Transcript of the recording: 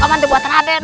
paman coba buat raden